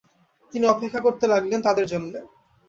তিনি অপেক্ষা করতে লাগলেন তাদের জন্যে।